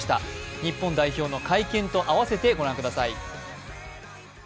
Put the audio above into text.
日本代表の会見と合わせてご覧ください。